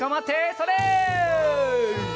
それ！